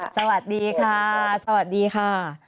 สวัสดีค่ะ